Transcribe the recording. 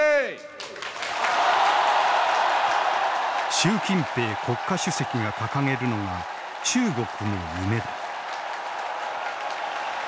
習近平国家主席が掲げるのが「中国の夢」だ。